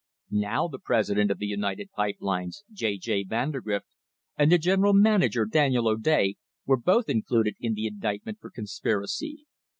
Now the president of the United Pipe Lines, J. J. Vandergrift, and the general man ager, Daniel O'Day, were both included in the indictment for conspiracy.